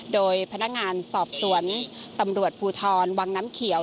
โดยพนักงานสอบสวนตำรวจภูทรวังน้ำเขียว